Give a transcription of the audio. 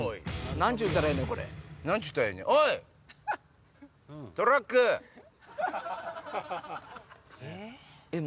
何ちゅうたらええねん？え？えっ？